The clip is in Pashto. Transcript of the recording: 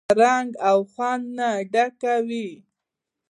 له رنګ او خوند نه ډکه وي.